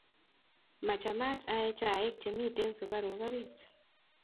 machamat aee chaik chemiten sukaruk orit